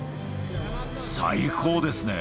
最高ですね。